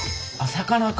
魚か。